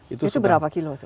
itu berapa kilo